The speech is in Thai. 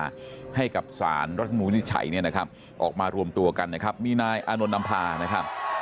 ให้กับสารรัฐมนุนิจฉัยเนี่ยนะครับออกมารวมตัวกันนะครับมีนายอานนท์นำพานะครับ